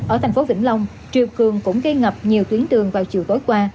ở thành phố vĩnh long triều cường cũng gây ngập nhiều tuyến đường vào chiều tối qua